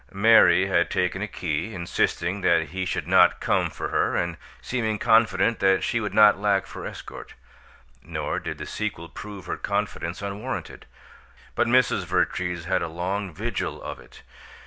Mary had taken a key, insisting that he should not come for her and seeming confident that she would not lack for escort; nor did the sequel prove her confidence unwarranted. But Mrs. Vertrees had a long vigil of it.